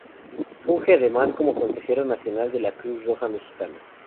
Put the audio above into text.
Funge además como consejero nacional de la Cruz Roja Mexicana.